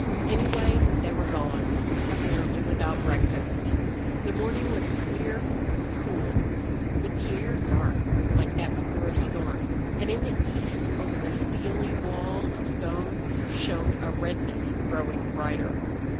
Anyway, they were gone, apparently without breakfast. The morning was clear, cool, with the air dark like that before a storm, and in the east, over the steely wall of stone, shone a redness growing brighter.